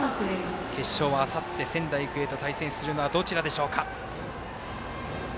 決勝は、あさって仙台育英と対戦するのはどちらでしょうか。